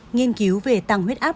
nghiên cứu về tăng huyết áp